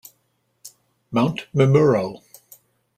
Mount Memuro